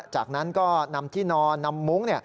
จากนั้นก็นำที่นอนนำมุ้ง